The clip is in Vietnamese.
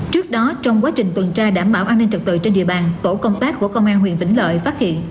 trước đó trong quá trình tuần tra đảm bảo an ninh trật tự trên địa bàn tổ công tác của công an huyện vĩnh lợi phát hiện